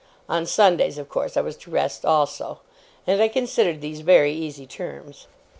On Sundays, of course, I was to rest also, and I considered these very easy terms.